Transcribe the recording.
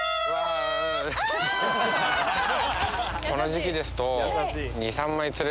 この時期ですと。